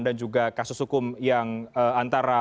dan juga kasus hukum yang antara